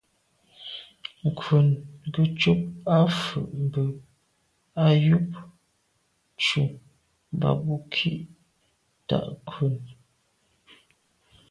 Ŋkrʉ̀n gə́ cúp à’ fə́ mbə́ á yûp cú mbɑ́ bú khǐ tà’ ŋkrʉ̀n.